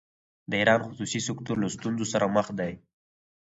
د ایران خصوصي سکتور له ستونزو سره مخ دی.